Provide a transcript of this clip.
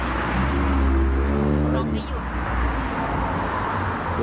ใช่ค่ะเราทำมาหากินเนาะ